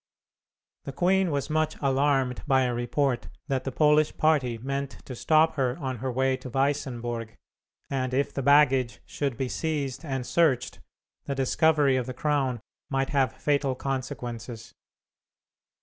The queen was much alarmed by a report that the Polish party meant to stop her on her way to Weissenburg; and if the baggage should be seized and searched, the discovery of the crown might have fatal consequences.